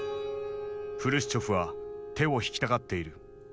「フルシチョフは手を引きたがっている」。